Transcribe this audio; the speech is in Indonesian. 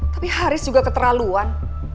tapi haris juga keterlaluan